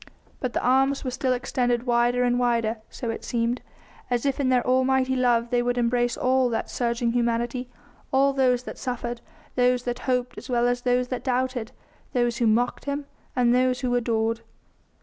But the arms were still extended wider and wider, so it seemed, as if in their almighty love they would embrace all that surging humanity; all those that suffered, those that hoped as well as those that doubted, those who mocked Him and those who adored.